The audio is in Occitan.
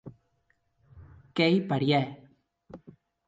Qu'ei parièr.